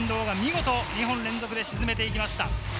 遠藤が見事２本連続で沈めて行きました。